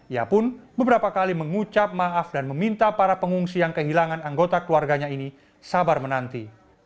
ia pun beberapa kali mengucap maaf dan meminta para pengungsi yang kehilangan anggota keluarganya ini sabar menanti